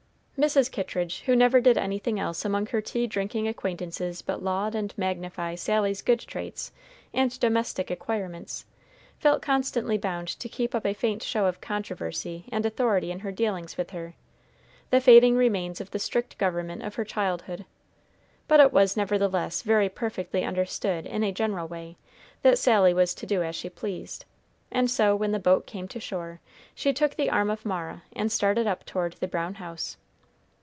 Mrs. Kittridge, who never did anything else among her tea drinking acquaintances but laud and magnify Sally's good traits and domestic acquirements, felt constantly bound to keep up a faint show of controversy and authority in her dealings with her, the fading remains of the strict government of her childhood; but it was, nevertheless, very perfectly understood, in a general way, that Sally was to do as she pleased; and so, when the boat came to shore, she took the arm of Mara and started up toward the brown house.